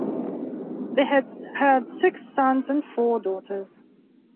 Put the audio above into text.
They had had six sons and four daughters.